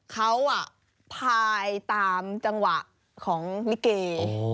เขาพายตามจังหวะของลิเก